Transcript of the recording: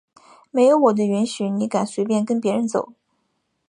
没有我的允许你敢随便跟别人走？！